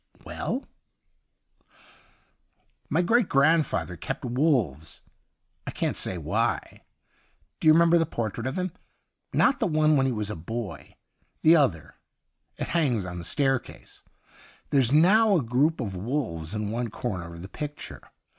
' Well r ' My great grandfather kept wolves — I can't say why. Do you remember the portrait of him .''— not the one when he was a boy, the •other. It hangs on the staircase. There's now a group of wolves in one corner of the picture.